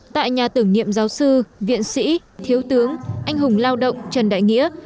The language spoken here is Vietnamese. tại nhà tưởng niệm giáo sư viện sĩ thiếu tướng anh hùng lao động trần đại nghĩa